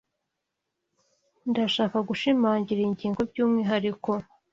Ndashaka gushimangira iyi ngingo byumwihariko.